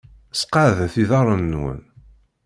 Sqeɛdet iḍarren-nwen.